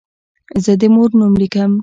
زه د مور نوم لیکم.